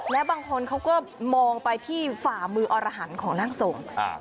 และบางคนเขาก็มองไปที่ฝ่ามืออรหันต์ของร่างทรง